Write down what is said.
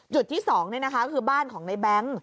จุดที่๒เนี่ยนะคะคือบ้านของในแบงค์